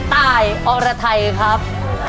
ตายอรไทยครับ